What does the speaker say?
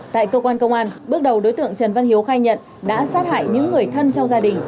tại cơ quan công an bước đầu đối tượng trần văn hiếu khai nhận đã sát hại những người thân trong gia đình